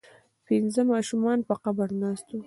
پنځه ماشومان په قبر ناست وو.